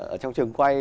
ở trong trường quay